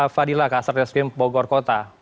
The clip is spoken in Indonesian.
fadila kasus resmi bogor kota